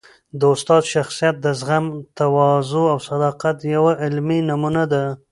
د استاد شخصیت د زغم، تواضع او صداقت یوه عملي نمونه ده.